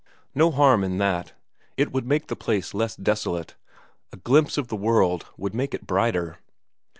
No harm in that. It would make the place less desolate, a glimpse of the world would make it brighter.